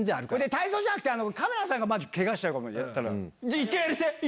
泰造じゃなくてカメラさんがケガしちゃうかも。